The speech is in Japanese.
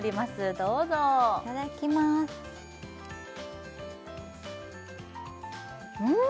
どうぞいただきますうん！